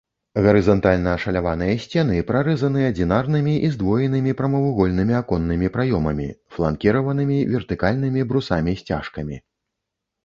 Гарызантальна ашаляваныя сцены прарэзаны адзінарнымі і здвоенымі прамавугольнымі аконнымі праёмамі, фланкіраванымі вертыкальнымі брусамі-сцяжкамі.